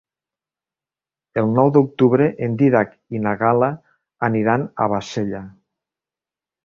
El nou d'octubre en Dídac i na Gal·la aniran a Bassella.